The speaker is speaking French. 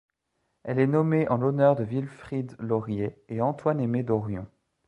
Elle est nommée en l'honneur de Wilfrid Laurier et Antoine-Aimé Dorion.